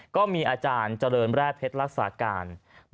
ก็มีอาจารย์เจริญแร่เพชรรักษาการ